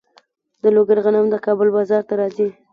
د لوګر غنم د کابل بازار ته راځي.